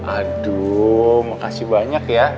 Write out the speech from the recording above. aduh makasih banyak ya